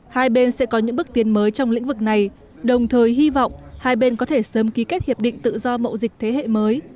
hai bên sẽ có những bước tiến mới trong lĩnh vực này đồng thời hy vọng hai bên có thể sớm ký kết hiệp định tự do mậu dịch thế hệ mới